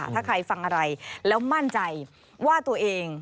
ถ้าใครฟังอะไรแล้วมั่นใจว่าตัวเอง